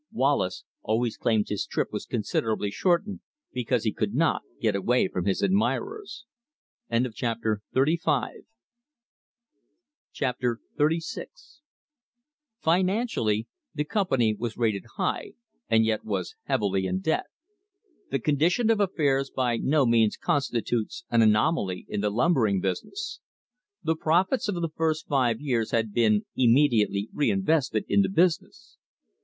Wallace always claimed his trip was considerably shortened because he could not get away from his admirers. Chapter XXXVI Financially the Company was rated high, and yet was heavily in debt. This condition of affairs by no means constitutes an anomaly in the lumbering business. The profits of the first five years had been immediately reinvested in the business.